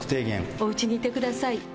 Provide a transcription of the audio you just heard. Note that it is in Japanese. お家にいてください。